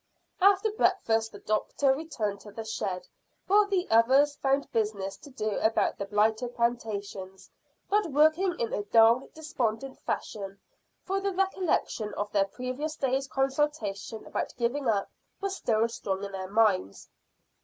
After breakfast the doctor returned to the shed, while the others found business to do about the blighted plantations, but working in a dull, despondent fashion, for the recollection of their previous day's consultation about giving up was still strong in their minds.